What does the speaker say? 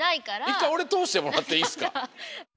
１かいおれとおしてもらっていいっすか？